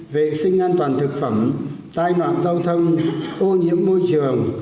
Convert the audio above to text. vệ sinh an toàn thực phẩm tai nạn giao thông ô nhiễm môi trường